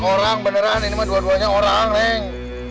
orang beneran ini mah dua duanya orang ang